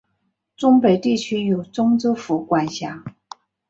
忠北地区由忠州府管辖。